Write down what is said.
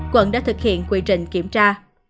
quận đã thực hiện quy trình kiểm tra